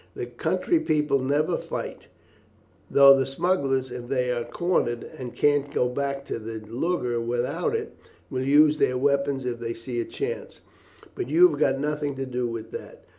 The country people never fight; though the smugglers, if they are cornered, and can't get back to the lugger without it, will use their weapons if they see a chance; but you have got nothing to do with that.